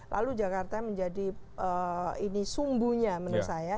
lalu jakarta menjadi ini sumbunya menurut saya